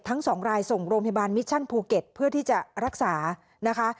ทั้งสองรายส่งโรงพยาบาลมิชชั่นภูเก็ตเพื่อที่จะรักษานะคะ